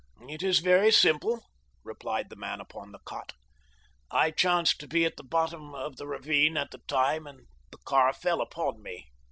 "It is very simple," replied the man upon the cot. "I chanced to be at the bottom of the ravine at the time and the car fell upon me."